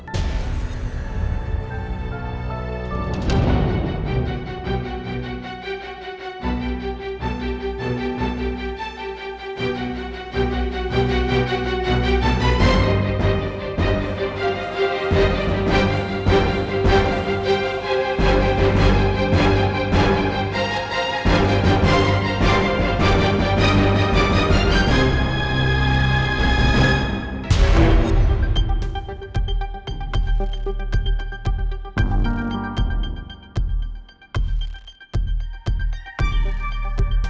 kem seized apa berlebihan